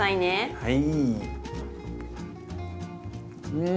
はい！